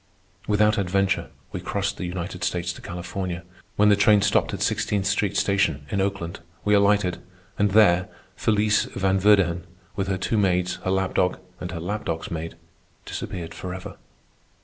Without adventure we crossed the United States to California. When the train stopped at Sixteenth Street Station, in Oakland, we alighted, and there Felice Van Verdighan, with her two maids, her lap dog, and her lap dog's maid, disappeared forever.